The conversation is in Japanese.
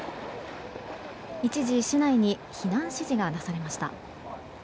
一時、市内に避難指示が出されました。